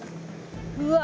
うわ。